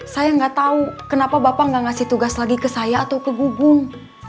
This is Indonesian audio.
saya nggak tahu kenapa bapak nggak ngasih tugas lagi ke saya atau ke gubung